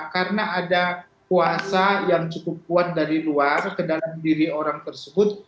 karena ada kuasa yang cukup kuat dari luar ke dalam diri orang tersebut